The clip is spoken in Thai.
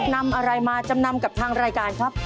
นำอะไรมาจำนำกับทางรายการครับ